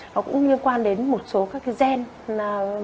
nó cũng liên quan đến một số các gen